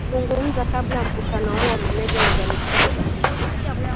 ungumza kabla ya mkutano huo meneja wa uzalishaji katika